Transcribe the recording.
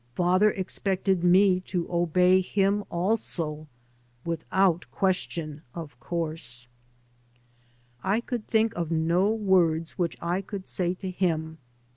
Father expected me to obey him also without question, of course, I could think of no words which I could say to him.